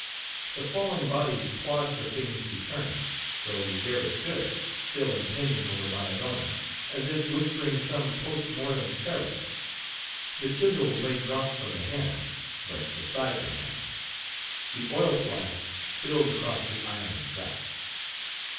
The falling body clogged the thing's return; so there it stood, still impending over Bannadonna, as if whispering some post mortem terror. The chisel lay dropped from the hand, but beside the hand; the oil flask spilled across the iron track.